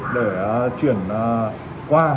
để chuyển qua